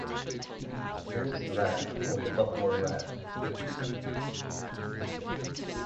Louis Rag or "The Buffalo Rag".